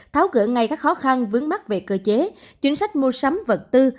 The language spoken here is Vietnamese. tháo gỡ ngay các khó khăn vướng mắt về cơ chế chính sách mua sắm vật tư